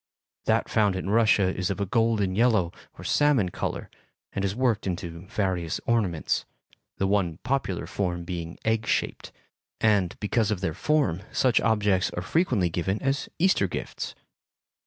That found in Russia is of a golden yellow or salmon color, and is worked into various ornaments, the one popular form being egg shaped, and, because of their form, such objects are frequently given as Easter gifts.